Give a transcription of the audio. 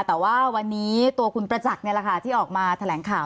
แต่ว่าวันนี้ตัวคุณประจักษ์ที่ออกมาแถลงข่าว